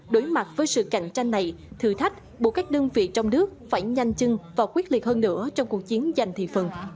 đối mặt với sự cạnh tranh này thử thách buộc các đơn vị trong nước phải nhanh chưng và quyết liệt hơn nữa trong cuộc chiến giành thị phần